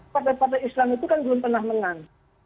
partai partai islam itu kan belum pernah menang